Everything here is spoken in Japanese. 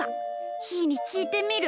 ひーにきいてみる。